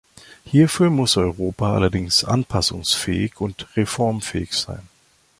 Hierfür muss Europa allerdings anpassungsfähig und reformfähig sein.